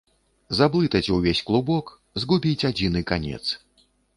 Заблытаць увесь клубок, згубіць адзіны канец.